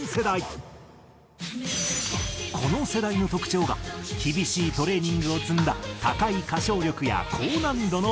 この世代の特徴が厳しいトレーニングを積んだ高い歌唱力や高難度のダンス。